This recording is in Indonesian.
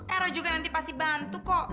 eh lu juga nanti pasti bantu kok